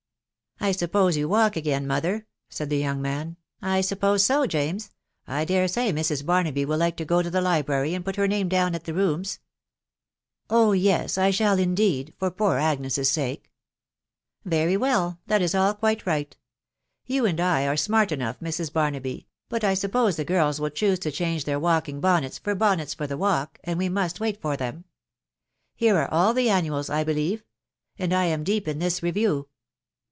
I suppose you walk again, mother.?" said the young wan. " I suppose so, James. I dare soy Mrs. Baroahy will like to go to the library and put her name d*wn at the rooms." " Oh yes J •..• I shall, indeed, .*.., for poor Agnes a sake !" "Very well ; that m ajl <|»ite right. ..«. You and I are smart enough, Mrs. Baroahy, but I suppose the girls will choose to change their walking bonnets for bonnets far the walk, and we must wait for them* Here are all the annuals* I believe, .... and I am deep in this review."